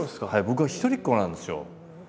僕は一人っ子なんですよ。